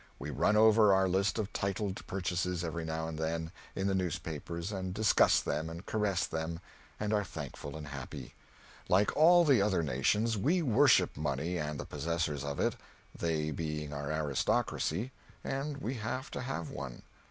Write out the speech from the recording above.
We run over our list of titled purchases every now and then, in the newspapers, and discuss them and caress them, and are thankful and happy. Like all the other nations, we worship money and the possessors of it they being our aristocracy, and we have to have one.